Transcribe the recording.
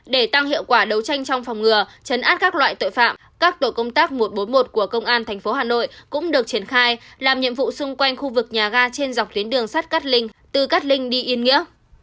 để tăng hiệu quả đấu tranh trong phòng ngừa chấn áp các loại tội phạm các tổ công tác một trăm bốn mươi một của công an tp hà nội cũng được triển khai làm nhiệm vụ xung quanh khu vực nhà ga trên dọc tuyến đường sắt cát linh từ cát linh đi yên nghĩa